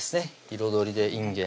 彩りでいんげん